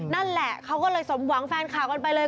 นั่นแหละเขาก็เลยสมหวังแฟนข่าวกันไปเลย